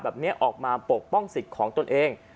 แบบนี้ออกมาปกป้องสิทธิ์ของตนเอง